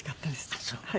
ああそう。